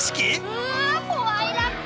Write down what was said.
うわ怖いラッカ。